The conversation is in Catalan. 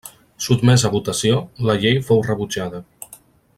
Sotmesa a votació, la llei fou rebutjada.